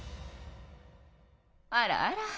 あらあら。